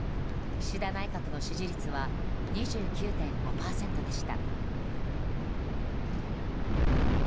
岸田内閣の支持率は２９．５％でした。